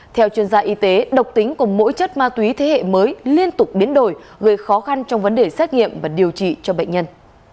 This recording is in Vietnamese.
theo chuyên gia y tế độc tính cùng mỗi chất ma túy thế hệ mới liên tục biến đổi gây khó khăn trong vấn đề xét nghiệm và điều trị cho bệnh nhân